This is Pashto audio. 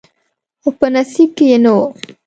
خو په نصیب کې یې نه و.